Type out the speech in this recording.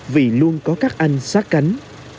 vì luôn có các anh sát cánh